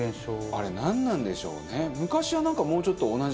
あれなんなんでしょうね。